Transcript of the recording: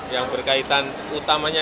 yang berkaitan utamanya